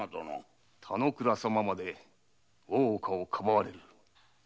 田之倉様まで大岡をかばわれる。